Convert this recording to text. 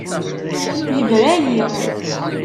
Yebra-yi.